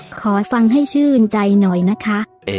ขอฟังให้ชื่นใจหน่อยนะคะ